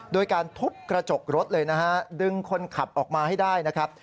โดยการทุบกระจกรถเลยนะฮะดึงคนขับออกมาให้ได้นะครับ